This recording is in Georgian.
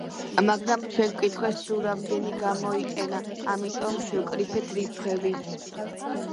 მაგრამ ჩვენ გვკითხეს სულ რამდენი გამოიყენა ამიტომ შევკრიბეთ რიცხვები.